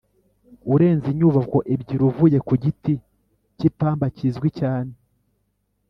Urenze inyubako ebyiri uvuye ku giti cy ipamba kizwi cyane